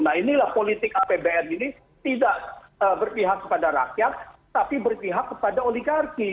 nah inilah politik apbn ini tidak berpihak kepada rakyat tapi berpihak kepada oligarki